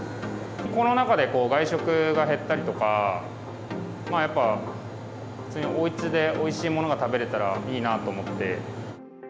コロナ禍で外食が減ったりとか、やっぱ、普通におうちでおいしいものが食べれたらいいなと思って。